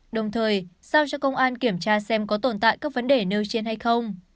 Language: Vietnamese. đồng thời sao cho công an kiểm tra xem có tồn tại các vấn đề nêu trên hay không